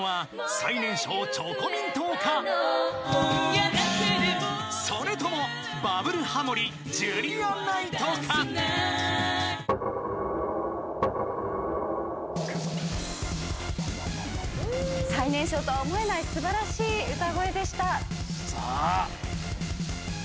最年少とは思えない素晴らしい歌声でした。